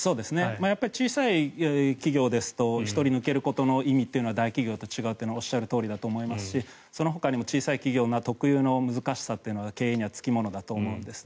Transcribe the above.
小さい企業ですと１人抜けることの意味というのは大企業と違うというのはおっしゃるとおりだと思いますしそのほかにも小さい企業特有の難しさというのが経営にはつきものだと思うんですね。